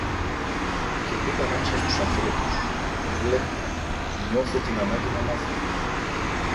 και πήγα ανάμεσα στους ανθρώπους, βλέπω, νιώθω την ανάγκη να μάθω.